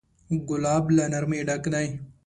ګلاب له نرمۍ ډک دی.